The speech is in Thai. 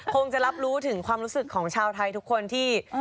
คงจะรับรู้ถึงความรู้สึกของชาวไทยทุกคนที่